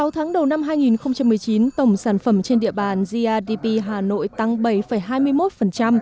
sáu tháng đầu năm hai nghìn một mươi chín tổng sản phẩm trên địa bàn grdp hà nội tăng bảy hai mươi một